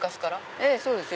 ええそうですよ